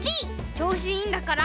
ちょうしいいんだから！